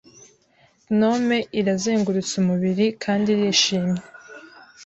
Gnomes irazengurutse umubiri kandi irishimye